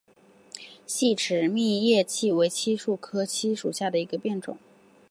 细齿密叶槭为槭树科槭属下的一个变种。